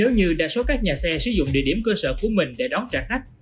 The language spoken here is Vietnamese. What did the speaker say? nếu như đa số các nhà xe sử dụng địa điểm cơ sở của mình để đón trả khách